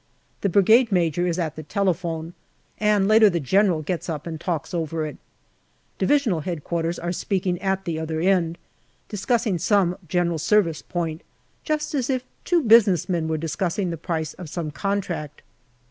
The Brigade Major is at the telephone, and later the General gets up and talks over it. D.H.Q. are speaking at the other end, discussing some G.S. point, just as if two business men were discussing the price of some contract.